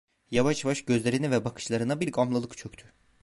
Yavaş yavaş gözlerine ve bakışlarına bir gamlılık çöktü.